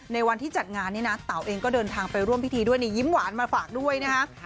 วันที่จัดงานนี่นะเต๋าเองก็เดินทางไปร่วมพิธีด้วยนี่ยิ้มหวานมาฝากด้วยนะคะ